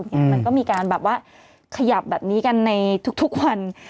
มันก็มีการแบบว่าขยับแบบนี้กันในทุกวัน